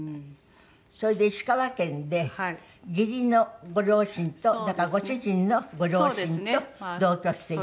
それで石川県で義理のご両親とだからご主人のご両親と同居していた。